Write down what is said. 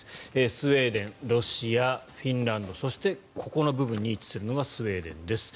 スウェーデンロシア、フィンランドそしてここの部分に位置するのがスウェーデンです。